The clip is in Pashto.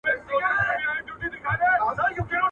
د گور شپه نه پر کور کېږي.